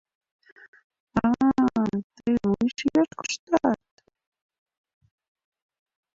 — А-а-а-а, тый вуйшияш коштат!